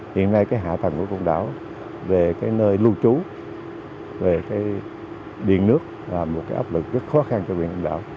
hiện nay hạ tầng của quận đảo về nơi lưu trú về điện nước là một áp lực rất khó khăn cho quận đảo